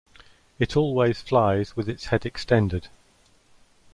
It always flies with its head extended.